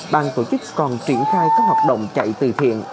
ban tổ chức còn triển khai các hoạt động chạy từ thiện